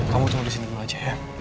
kamu tunggu disini dulu aja ya